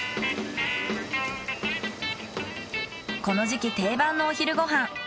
この時期定番のお昼ご飯。